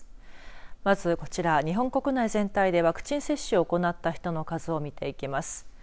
まず、こちら、日本国内全体でワクチン接種を行った人の数を見ていきます。